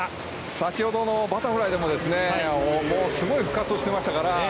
先ほどのバタフライでｍすごい復活をしていましたから。